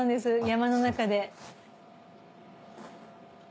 山の中で。